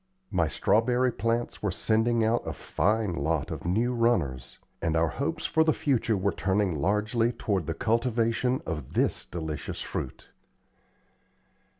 My strawberry plants were sending out a fine lot of new runners, and our hopes for the future were turning largely toward the cultivation of this delicious fruit.